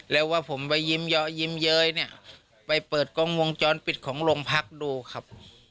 แล้วว่าผมไปยิ้มเยอะยิ้มเย้ยเนี่ยไปเปิดกล้องวงจรปิดของโรงพักดูครับ